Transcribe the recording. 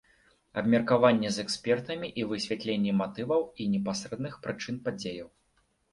Абмеркаванне з экспертамі і высвятленне матываў і непасрэдных прычын падзеяў.